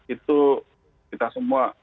itu kita semua